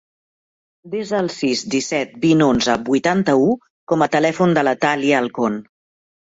Desa el sis, disset, vint, onze, vuitanta-u com a telèfon de la Thàlia Alcon.